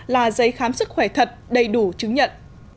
là giấy khám sức khỏe thật đầy đủ chứng nhận